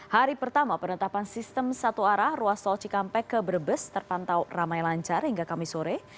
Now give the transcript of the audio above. hari pertama penetapan sistem satu arah ruas tol cikampek ke brebes terpantau ramai lancar hingga kamis sore